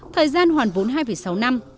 thời gian hoàn vốn hai sáu năm